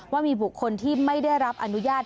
ว่ามีบุคคลที่ไม่ได้รับอนุญาต